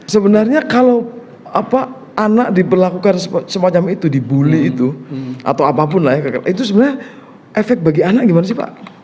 sebenarnya kalau anak diberlakukan semacam itu dibully itu atau apapun lah ya itu sebenarnya efek bagi anak gimana sih pak